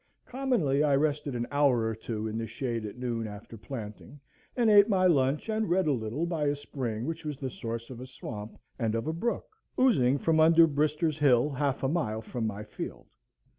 Commonly I rested an hour or two in the shade at noon, after planting, and ate my lunch, and read a little by a spring which was the source of a swamp and of a brook, oozing from under Brister's Hill, half a mile from my field.